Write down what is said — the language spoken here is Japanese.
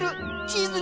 チーズ！